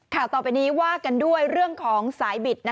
ข่าวต่อไปนี้ว่ากันด้วยเรื่องของสายบิด